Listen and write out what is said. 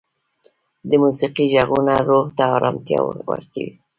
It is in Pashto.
د موسیقۍ ږغونه روح ته ارامتیا ورکوي.